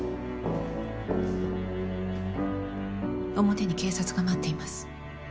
表に警察が待っています。